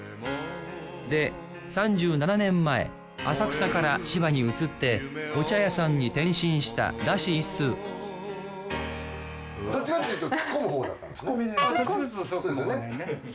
で３７年前浅草から千葉に移ってお茶屋さんに転身したらしいっすどっちかっていうとそうかもわかんないね。